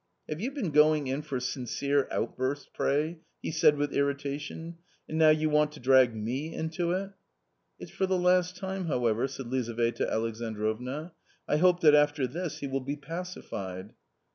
" Have you been going in for * sincere outbursts,' pray ?" he said with irritation, " and now you want to drag me into it!" " It's for the last time, however," said Lizaveta Alexan drovna. " I hope that after this he will be pacified."